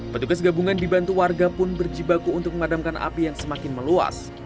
petugas gabungan dibantu warga pun berjibaku untuk memadamkan api yang semakin meluas